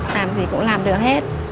làm gì cũng làm được hết